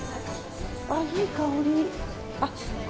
いい香り。